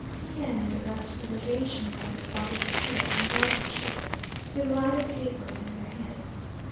C n and the rest of the legation were in the body of the church, in velvet chairs, with lighted tapers in their hands.